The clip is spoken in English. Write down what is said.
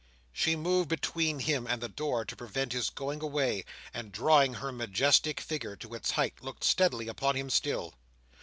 She moved between him and the door to prevent his going away, and drawing her majestic figure to its height, looked steadily upon him still.